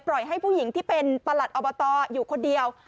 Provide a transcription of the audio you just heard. ปล่อยให้ผู้หญิงที่เป็นประหลัดอมประตออยู่คนเดียว